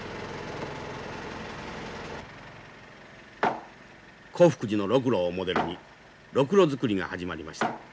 興福寺のロクロをモデルにロクロ作りが始まりました。